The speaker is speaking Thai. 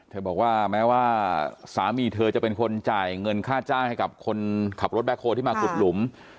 บอกว่าแม้ว่าสามีเธอจะเป็นคนจ่ายเงินค่าจ้างให้กับคนขับรถแบ็คโฮที่มาขุดหลุม